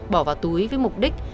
bỏ vào túi với mục đích